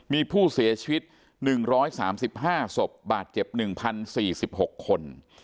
มีผู้เสียชีวิต๑๓๕ศพบาดเจ็บ๑๐๔๖คน